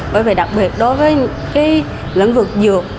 bởi vì đặc biệt đối với cái lĩnh vực dược